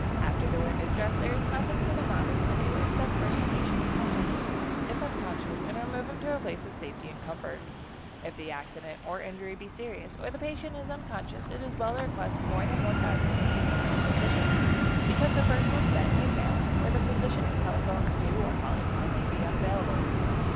After the wound is dressed there is nothing for the novice to do, except bring the patient to consciousness, if unconscious, and remove him to a place of safety and comfort. If the accident or injury be serious, or the patient is unconscious, it is well to request more than one bystander to summon a physician, because the first one sent may fail, or the physician he telephones to or calls upon may be unavailable.